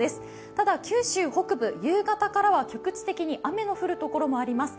ただ九州北部、夕方からは局地的に雨の降る所もあります。